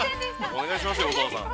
◆お願いしますよ、乙葉さん